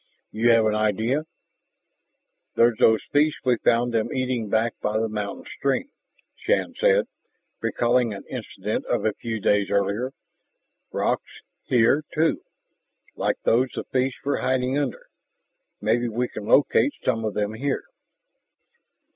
"You have an idea ?" "There's those fish we found them eating back by the mountain stream," Shann said, recalling an incident of a few days earlier. "Rocks here, too, like those the fish were hiding under. Maybe we can locate some of them here."